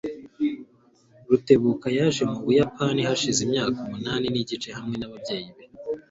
Rutebuka yaje mu Buyapani hashize imyaka umunani nigice hamwe nababyeyi be.